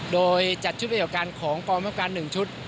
โดยจัดชุดประโยชน์การของกองประคับการ๑ชุด